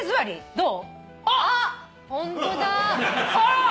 どう？